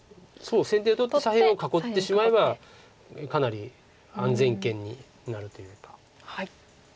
先手を取って左辺を囲ってしまえばかなり安全圏になるというか。